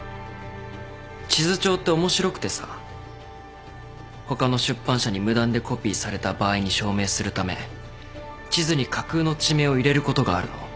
地図帳って面白くてさ他の出版社に無断でコピーされた場合に証明するため地図に架空の地名を入れることがあるの。